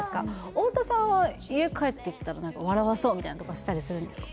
太田さんは家帰ってきたら何か笑わそうみたいなことしたりするんですか？